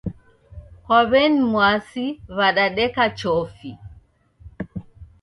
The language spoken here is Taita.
Kwa w'eni Mwasi wadadeka chofi.